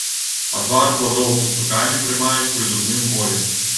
Адвар пладоў са струкамі прымаюць пры зубным болі.